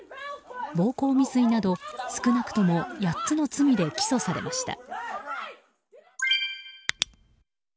暴行未遂など少なくとも８つの罪で起訴されました。